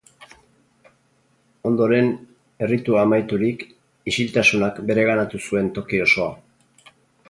Ondoren, erritua amaiturik, isiltasunak bereganatu zuen toki osoa.